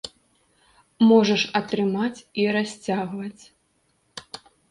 Можаш атрымаць і расцягваць.